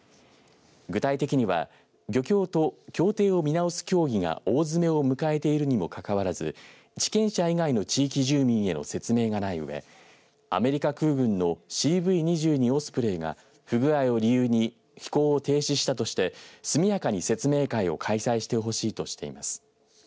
具体的には漁協と協定を見直す協議が大詰めを迎えているにもかかわらず地権者以外の地域住民への説明がないうえアメリカ空軍のＣＶ２２オスプレイが不具合を理由に飛行を停止したとして速やかに説明会を開催してほしいとしています。